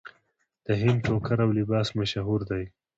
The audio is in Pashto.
د هند ټوکر او لباس مشهور دی.